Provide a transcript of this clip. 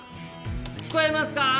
聞こえますか？